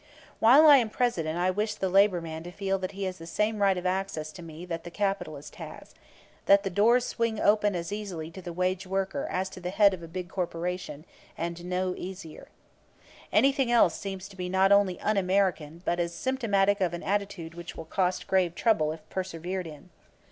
While I am President I wish the labor man to feel that he has the same right of access to me that the capitalist has; that the doors swing open as easily to the wage worker as to the head of a big corporation and no easier. Anything else seems to be not only un American, but as symptomatic of an attitude which will cost grave trouble if persevered in.